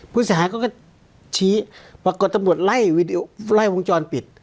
ผู้เสียหายเขาก็ชี้ปรากฏตำรวจไล่วงจรปิด